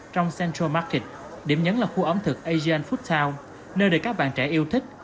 trong central market điểm nhấn là khu ẩm thực asian food town nơi đời các bạn trẻ yêu thích